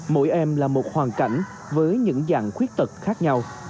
mỗi em là một hoàn cảnh với những dạng khuyết tật khác nhau